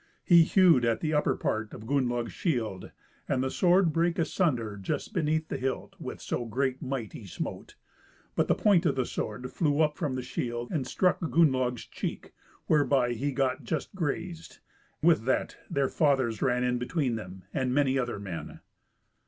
He hewed at the upper part of Gunnlaug's shield, and the sword brake asunder just beneath the hilt, with so great might he smote; but the point of the sword flew up from the shield and struck Gunnlaug's cheek, whereby he got just grazed; with that their fathers ran in between them, and many other men.